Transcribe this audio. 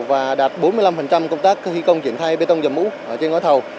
và đạt bốn mươi năm công tác thi công triển khai bê tông dầm mũ trên gói thầu